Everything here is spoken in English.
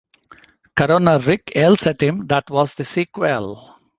Coroner Rick yells at him That was the sequel!